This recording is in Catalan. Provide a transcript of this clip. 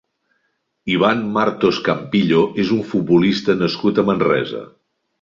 Iván Martos Campillo és un futbolista nascut a Manresa.